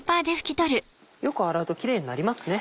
よく洗うとキレイになりますね。